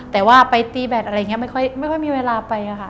แต่ว่าไปตีแบตอะไรอย่างนี้ไม่ค่อยมีเวลาไปอะค่ะ